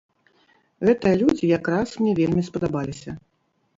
Гэтыя людзі якраз мне вельмі спадабаліся.